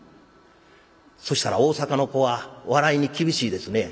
そしたら大阪の子は笑いに厳しいですね。